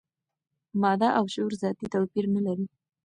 ماده او شعور ذاتي توپیر نه لري.